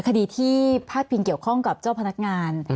คดีที่พาดพิงเกี่ยวข้องกับเจ้าพนักงาน